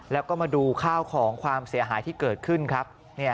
แล้วก็มาดูข้าวของความเสียหายที่เกิดขึ้นครับ